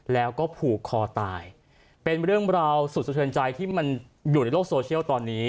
แล้วก็ผูกคอตายเป็นเรื่องราวสุดสะเทินใจที่มันอยู่ในโลกโซเชียลตอนนี้